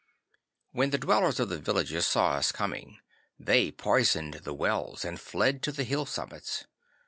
'When the dwellers in the villages saw us coming, they poisoned the wells and fled to the hill summits.